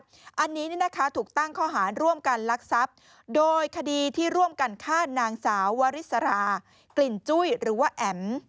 อันนี้นะคะถูกตั้งข้อหารร่วมกันลักทรัพย์โดยคดีที่ร่วมกันฆ่านางสาววาริสรากลิ่นจุ้ยหรือว่าแอ๋ม